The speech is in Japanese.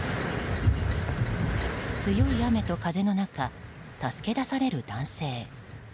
強い雨と風の中助け出される男性。